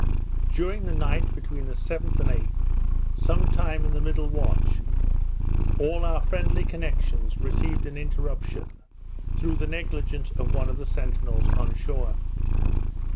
During the night, between the 7th and 8th, some time in the middle watch, all our friendly connections received an interruption, through the negligence of one of the centinels on shore.